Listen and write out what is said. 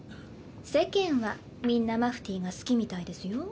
世間はみんなマフティーが好きみたいですよ。